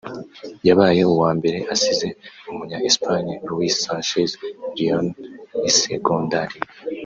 yabaye uwa mbere asize Umunya Espagne Luis Sanchez Leon isegonda rimwe